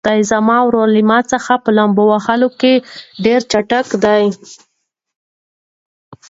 زما ورور له ما څخه په لامبو وهلو کې ډېر چټک دی.